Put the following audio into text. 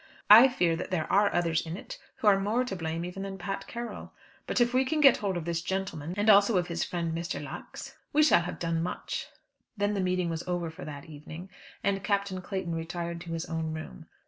I fear that there are others in it, who are more to blame even than Pat Carroll. But if we can get hold of this gentleman, and also of his friend Mr. Lax, we shall have done much." Then the meeting was over for that evening, and Captain Clayton retired to his own room.